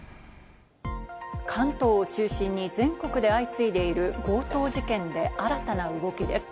関東を中心に全国で相次いでいること強盗事件で、新たな動きです。